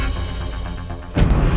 beberapa kali kami bercampur